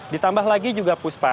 ditambah lagi juga puspa